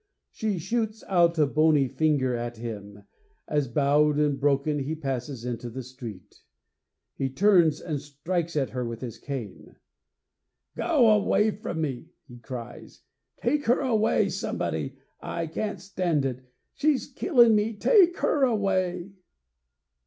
She shoots out a bony finger at him, as, bowed and broken, he passes into the street. He turns and strikes at her with his cane. 'Go away from me,' he cries. 'Take her away, somebody! I can't stand it! She's killing me! Take her away!'